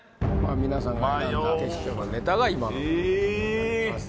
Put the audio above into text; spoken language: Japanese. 皆さんが選んだ決勝のネタが今のでございます